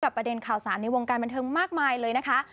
ประเด็นข่าวสารในวงการบันเทิงมากมายเลยนะคะ